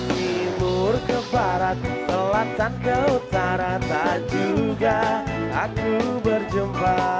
timur ke barat selatan ke utara tak juga aku berjumpa